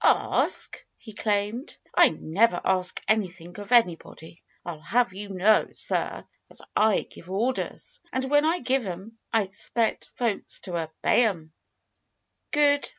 "Ask!" he exclaimed. "I never ask anything of anybody. I'll have you know, sir, that I give orders. And when I give 'em I expect folks to obey 'em." "Good!"